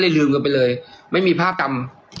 พี่ได้ลืมกันไปเลยไม่มีภาพศักรรม